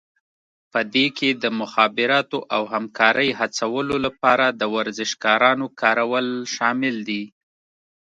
په دې کې د مخابراتو او همکارۍ هڅولو لپاره د ورزشکارانو کارول شامل دي